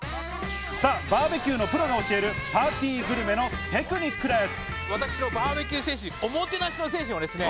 バーベキューのプロが教えるパーティーグルメのテクニックです。